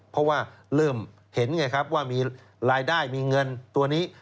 เพราะว่าเริ่มเห็นไงครับว่ามีรายได้มีเงินตัวนี้